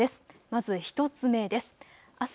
まず１点目です。